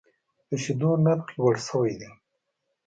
د شیدو نرخ لوړ شوی دی.